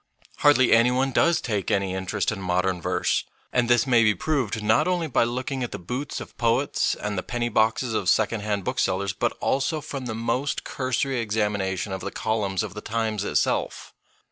Hardly any one does take any interest in modern verse, and this may be proved not only by look ing at the boots of poets and the penny boxes of secondhand booksellers, but also from the most cursory examination of the columns of the Times itself.